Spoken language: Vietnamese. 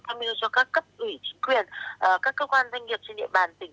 tham mưu cho các cấp ủy chính quyền các cơ quan doanh nghiệp trên địa bàn tỉnh